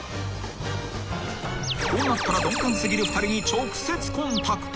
［こうなったら鈍感過ぎる２人に直接コンタクト］